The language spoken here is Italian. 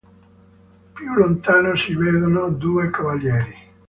Più lontano si vedono due cavalieri.